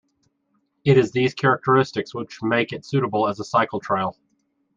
It is these characteristics which make it suitable as a cycle trail.